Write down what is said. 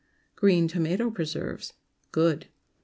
GREEN TOMATO PRESERVES. (_Good.